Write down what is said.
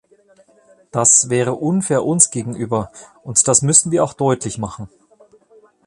Das wäre unfair uns gegenüber, und das müssen wir auch deutlich machen.